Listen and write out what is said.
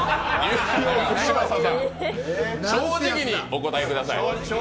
嶋佐さん、正直にお答えください。